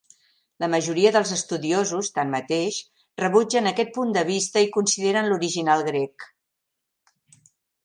La majoria dels estudiosos, tanmateix, rebutgen aquest punt de vista i consideren l'original grec.